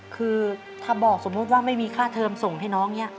คือถ้าบอกสมมุติว่าไม่มีค่าเทิมส่งให้น้องเนี่ย